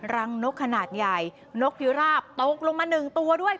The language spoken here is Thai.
รังนกขนาดใหญ่นกพิราบตกลงมาหนึ่งตัวด้วย